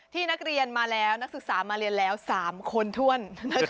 นักเรียนมาแล้วนักศึกษามาเรียนแล้ว๓คนถ้วน